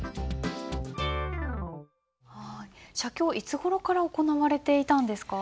写経いつごろから行われていたんですか？